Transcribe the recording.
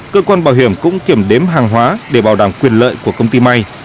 cơ quan bảo hiểm cũng kiểm đếm hàng hóa để bảo đảm quyền lợi của công ty may